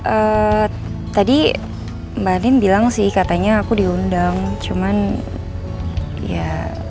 eee tadi mbak din bilang sih katanya aku diundang cuman ya